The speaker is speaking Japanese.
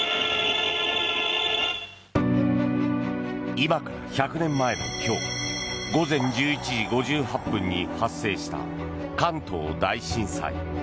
今から１００年前の今日午前１１時５８分に発生した関東大震災。